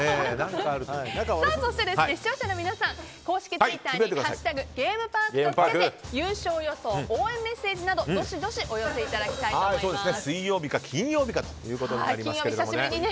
そして、視聴者の皆さん公式ツイッターに「＃ゲームパーク」とつけて優勝予想、応援メッセージなどどしどしお寄せいただきたいと思います。